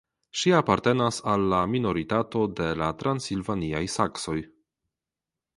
Ŝi apartenas al la minoritato de la transilvaniaj saksoj.